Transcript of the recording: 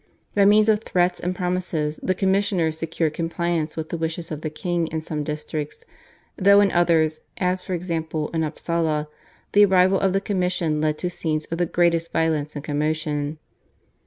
By means of threats and promises the commissioners secured compliance with the wishes of the king in some districts, though in others, as for example in Upsala, the arrival of the commission led to scenes of the greatest violence and commotion.